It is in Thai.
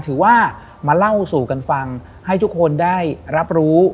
ถือว่ามาเล่าสู่กันฟังให้ทุกคนได้รับรู้